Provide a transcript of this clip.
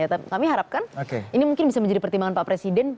tapi kami harapkan ini mungkin bisa menjadi pertimbangan pak presiden